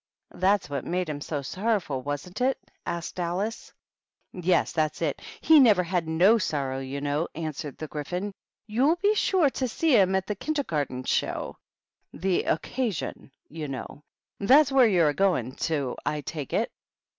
"That's what made him so sorrowful, wasn't it?" asked Alice. "Yes, that's it; he never had no sorrow, you know," answered the Gryphon. " You'll be sure to see him at the Kindergarten show, — the Occd sion, you know. That's where you're a goin' to, I take it."